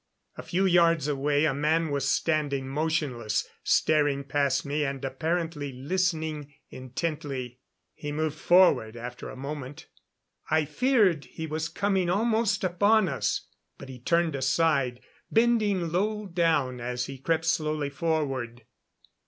A few yards away a man was standing motionless, staring past me and apparently listening intently. He moved forward after a moment. I feared he was coming almost upon us, but he turned aside, bending low down as he crept slowly forward.